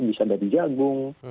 bisa dari jagung